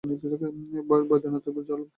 বৈদ্যনাথের জল বড় খারাপ, হজম হয় না।